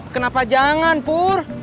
kenapa jangan pur